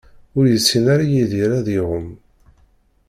Ur yessin ara Yidir ad iɛumm.